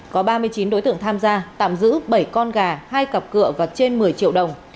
có ba mươi chín đối tượng tham gia tạm giữ bảy con gà hai cặp cựa và trên một mươi triệu đồng